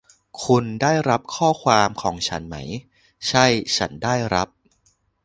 คุณได้รับข้อความของฉันไหม ? ใช่ ฉันได้รับ